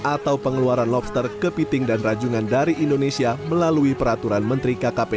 atau pengeluaran lobster kepiting dan rajungan dari indonesia melalui peraturan menteri kkp